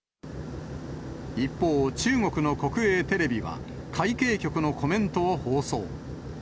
一方、中国の国営テレビは、海警局のコメントを放送。